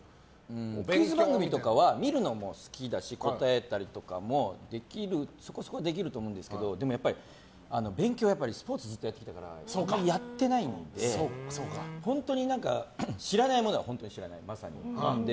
クイズ番組とかは見るのも好きだし答えたりとかもそこそこできると思うんですけどでもやっぱり勉強はスポーツずっとやってきたからやってないので本当に知らないものは知らない。